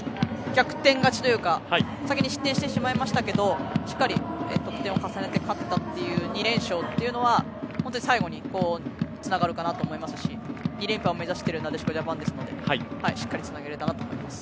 逆転勝ちというか先に失点してしまいましたけどしっかり得点を重ねて勝ったという２連勝というのは本当に最後につながるかなと思いますし２連覇を目指しているなでしこジャパンですのでしっかりつなげられたなと思います。